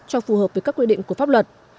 cho phù hợp với các quy định của pháp luật